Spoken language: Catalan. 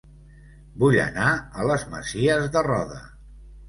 Vull anar a Les Masies de Roda